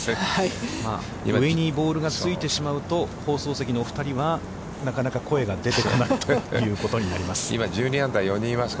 上にボールがついてしまうと、放送席のお二人は、なかなか声が出てこないということになります。